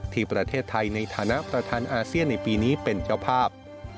ที่ประเทศไทยในฐานะประธานอาเซียนในปีนี้เป็นเจ้าภาพ